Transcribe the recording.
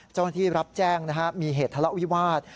เจ้าหน้าที่รับแจ้งมีเหตุทะเลาะวิวาส